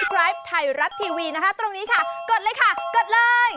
ขอบคุณค่ะ